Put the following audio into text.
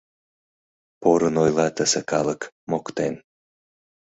Порын ойла тысе калык, моктен.